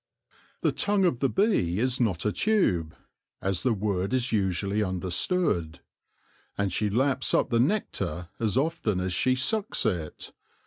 The tongue of the bee is not a tube, as the word is usually under stood. And she laps up the nectar as often as she sucks it.